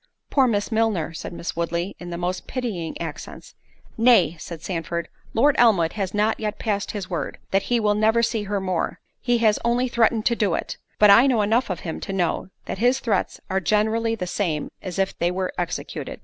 "Poor Miss Milner!" said Miss Woodley, in the most pitying accents. "Nay," said Sandford, "Lord Elmwood has not yet passed his word, that he will never see her more—he has only threatened to do it; but I know enough of him to know, that his threats are generally the same as if they were executed."